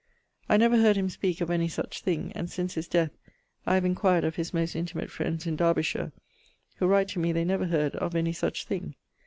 I never heard him speake of any such thing; and, since his death, I have inquired of his most intimate friends in Derbyshire, who write to me they never heard of any such thing.